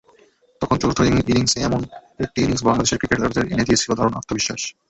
তখন চতুর্থ ইনিংসে অমন একটি ইনিংস বাংলাদেশের ক্রিকেটারদের এনে দিয়েছিল দারুণ আত্মবিশ্বাস।